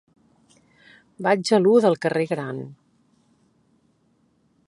Vaig a l'u del carrer Gran.